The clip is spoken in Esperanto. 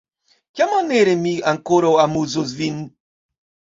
Kiamaniere mi ankoraŭ amuzos vin?